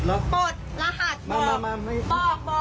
บอกบอกบอกรหาด